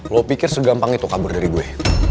lo pikir segampang itu kabar dari gue